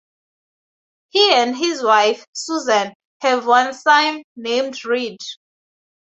He and his wife, Susan, have one son named Reed.